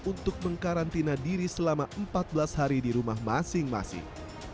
untuk mengkarantina diri selama empat belas hari di rumah masing masing